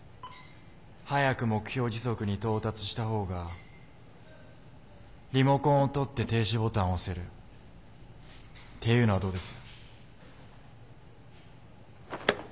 早く目標時速に到達した方がリモコンを取って「停止ボタン」を押せるっていうのはどうです？